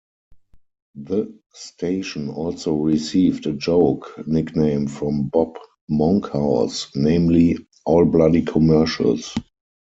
The station also received a joke nickname from Bob Monkhouse, namely "All Bloody Commercials".